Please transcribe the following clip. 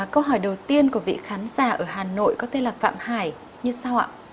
câu hỏi đầu tiên của vị khán giả ở hà nội có tên là phạm hải như sao ạ